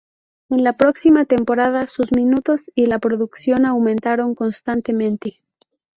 En la próxima temporada sus minutos y la producción aumentaron constantemente.